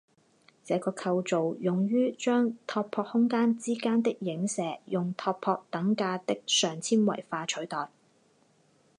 这个构造用于将拓扑空间之间的映射用拓扑等价的上纤维化取代。